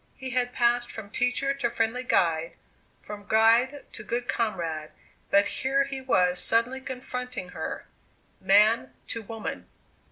He had passed from teacher to friendly guide, from guide to good comrade; but here he was suddenly confronting her man to woman!